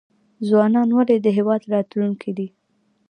ځوانان ولې د هیواد راتلونکی دی؟